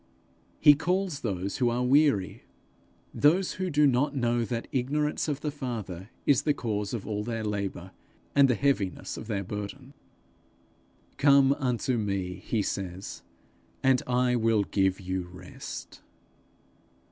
He calls those who are weary; those who do not know that ignorance of the Father is the cause of all their labour and the heaviness of their burden. 'Come unto me,' he says, 'and I will give you rest.'